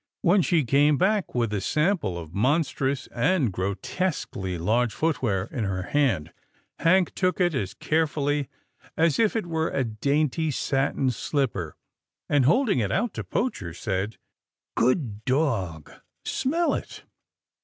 When she came back with a sample of monstrous and grotesquely large footgear in her hand, Hank took it as carefully as if it were a dainty satin slipper, and, holding it out to Poacher, said, " Good dog, smell it."